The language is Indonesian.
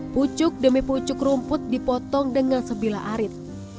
pucuk demi pucuk rumput dipotong dengan sebilah arit